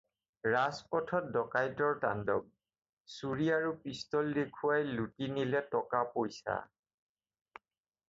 ৰাজপথত ডকাইতৰ তাণ্ডৱ, ছুৰী আৰু পিষ্টল দেখুৱাই লুটি নিলে টকা-পইচা।